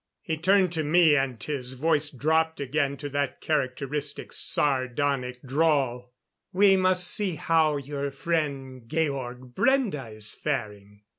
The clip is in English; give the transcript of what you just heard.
He turned to me, and his voice dropped again to that characteristic sardonic drawl: "We must see how your friend Georg Brende is faring."